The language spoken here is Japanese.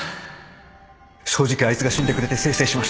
正直あいつが死んでくれてせいせいしました